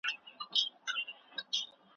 د مقالي د ژبي سمول د استاد دنده نه ده.